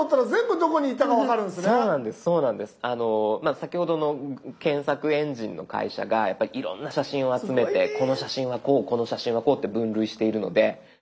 先ほどの検索エンジンの会社がやっぱりいろんな写真を集めてこの写真はこうこの写真はこうって分類しているので。